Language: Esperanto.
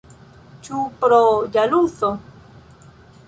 Ĉu pro ĵaluzo?